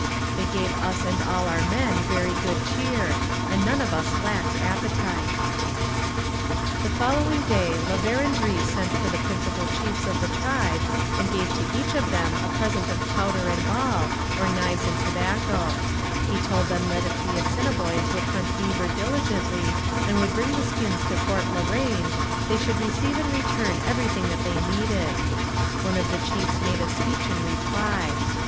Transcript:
They gave us and all our men very good cheer, and none of us lacked appetite.' [Illustration: An Assiniboine Indian. From a pastel by Edmund Morris.] The following day La Vérendrye sent for the principal chiefs of the tribe, and gave to each of them a present of powder and ball, or knives and tobacco. He told them that if the Assiniboines would hunt beaver diligently and would bring the skins to Fort La Reine, they should receive in return everything that they needed. One of the chiefs made a speech in reply.